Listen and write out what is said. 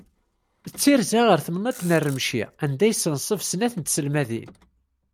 D tirza ɣer temnaḍt n Rremci anda i yessenṣeb snat n tselmadin.